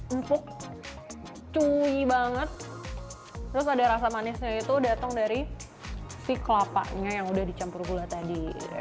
empuk cui banget terus ada rasa manisnya itu datang dari si kelapanya yang udah dicampur gula tadi